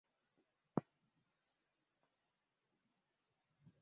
Samia aliweka historia ya kuwa mwanamke wa kwanza kushika wadhifa huo